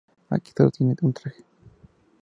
Aquí solo tiene un traje.